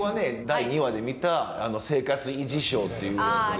第２話で見た「生活維持省」っていうやつで。